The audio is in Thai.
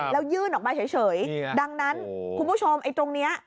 แล้วยื่นออกมาเฉยดังนั้นคุณผู้ชมไอ้ตรงนี้